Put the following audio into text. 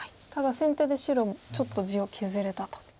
ただ先手で白ちょっと地を削れたと。